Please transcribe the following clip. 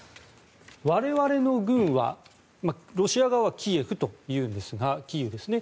我々の軍はロシア側はキエフと言いますがキーウですね。